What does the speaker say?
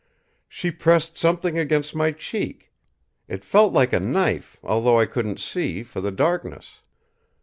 She pressed something against my cheek. It felt like a knife, although I couldn't see, for the darkness."